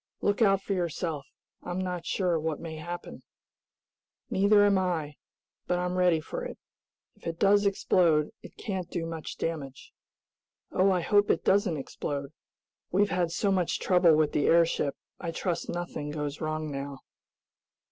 "Look out for yourself. I'm not sure what may happen." "Neither am I, but I'm ready for it. If it does explode it can't do much damage." "Oh, I hope it doesn't explode. We've had so much trouble with the airship, I trust nothing goes wrong now."